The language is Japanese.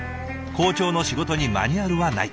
校長の仕事にマニュアルはない。